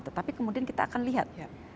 tetapi kemudian kita akan lihat